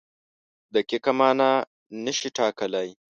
دقیقه مانا نشي ټاکلی.